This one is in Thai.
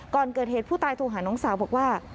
ก่อนเกิดเหตุผู้ตายโทรหาน้องสาวบอกว่า